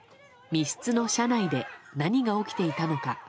密室の車内で何が起きていたのか。